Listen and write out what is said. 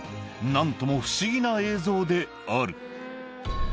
なんとも不思議な映像である。